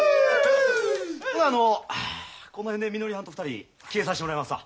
ほなあのこの辺でみのりはんと２人消えさしてもらいますわ。